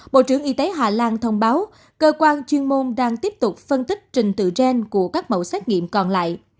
bộ trưởng y tế hà lan thông báo cơ quan chuyên môn đang tiếp tục phân tích trình tự gen của các mẫu xét nghiệm còn lại